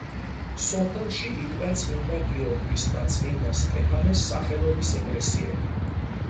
სოფელში იდგა წმინდა გიორგის და წმინდა სტეფანეს სახელობის ეკლესიები.